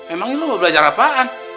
eh emangnya lu mau belajar apaan